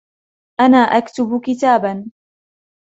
أنا أكتب كتاباً.